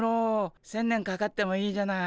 １，０００年かかってもいいじゃない。